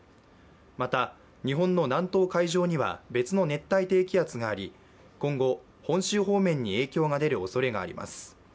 また、日本の南東海上には別の熱帯低気圧があり今後、本州方面に影響が出るおそれがあります。